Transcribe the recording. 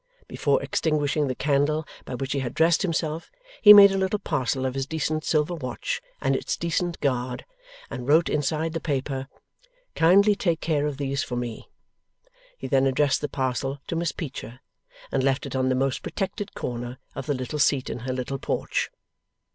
Before extinguishing the candle by which he had dressed himself, he made a little parcel of his decent silver watch and its decent guard, and wrote inside the paper: 'Kindly take care of these for me.' He then addressed the parcel to Miss Peecher, and left it on the most protected corner of the little seat in her little porch.